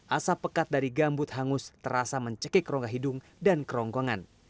asap pekat dari gambut hangus terasa mencekik rongga hidung dan kerongkongan